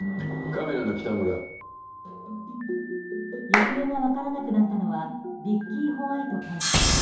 行方が分からなくなったのはビッキー・ホワイト看守。